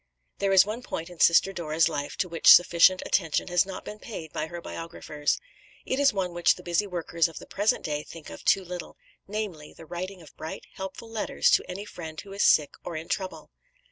There is one point in Sister Dora's life to which sufficient attention has not been paid by her biographers. It is one which the busy workers of the present day think of too little namely, the writing of bright, helpful letters to any friend who is sick or in trouble.